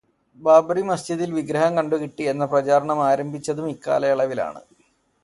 ബാബ്റി മസ്ജിദില് വിഗ്രഹം കണ്ടു കിട്ടി എന്ന പ്രചാരണം ആരംഭിച്ചതും ഇക്കാലയളവിലാണ്.